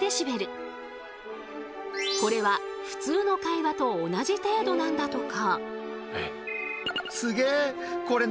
これは普通の会話と同じ程度なんだとか。